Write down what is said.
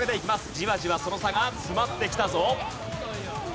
じわじわその差が詰まってきたぞ。